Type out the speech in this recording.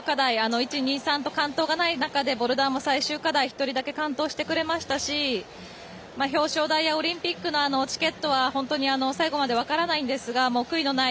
１、２、３と完登がない中でボルダーも最終完登１人だけ完登してくれましたし表彰台やオリンピックのチケットは最後まで分からないんですが悔いのない